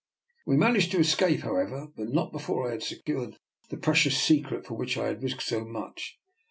We managed to escape, however, but not before I had se cured the precious secret for which I had risked so much.